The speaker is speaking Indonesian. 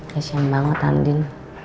kasian banget andin